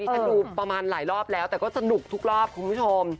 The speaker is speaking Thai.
ฉันดูประมาณหลายรอบแล้วแต่ก็สนุกทุกรอบคุณผู้ชม